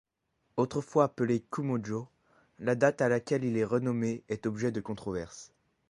Autrefois appelé Kumonjo, la date à laquelle il est renommé est objet de controverses.